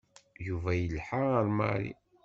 Yuba yelḥa ar Mary.